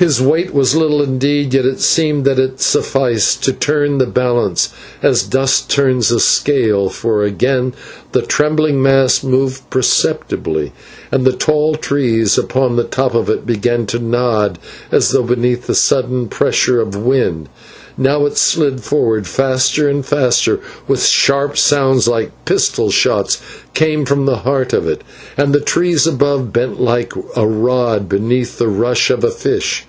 His weight was little indeed, yet it seemed that it sufficed to turn the balance as dust turns a scale, for again the trembling mass moved perceptibly and the tall trees upon the top of it began to nod as though beneath the sudden pressure of wind. Now it slid forward faster and faster, while sharp sounds like pistol shots came from the heart of it, and the trees above bent like a rod beneath the rush of a fish.